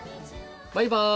バイバイ。